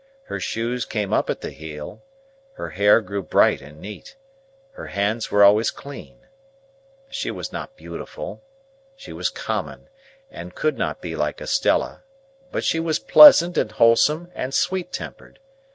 Her shoes came up at the heel, her hair grew bright and neat, her hands were always clean. She was not beautiful,—she was common, and could not be like Estella,—but she was pleasant and wholesome and sweet tempered.